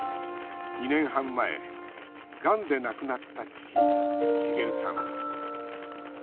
２年半前、がんで亡くなった父・滋さん。